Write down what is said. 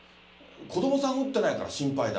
子どもさん打ってないから心配だ。